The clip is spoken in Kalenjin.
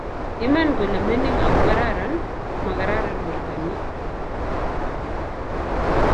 Iman kole mining ago kararan, magararan bortonyi